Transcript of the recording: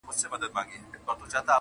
رادې شــي سبا به د چــا څۀاوکـــړي